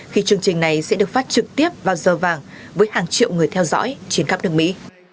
khi chương trình này sẽ được phát trực tiếp vào giờ vàng với hàng triệu người theo dõi trên khắp nước mỹ